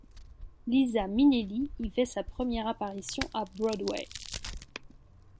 Liza Minnelli y fait sa première apparition à Broadway.